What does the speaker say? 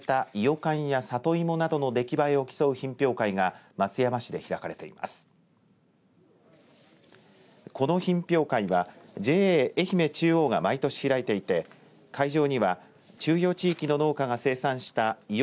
この品評会はＪＡえひめ中央が毎年開いていて会場には中予地域の農家が生産したいよ